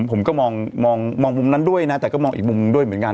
ผมก็มองมุมนั้นด้วยนะ